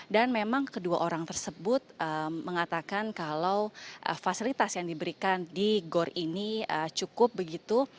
dan memang kedua orang tersebut mengatakan kalau fasilitas yang diberikan di gor ini cukup begitu